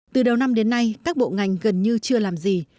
từ đầu năm đến nay các bộ ngành gần như chưa làm gì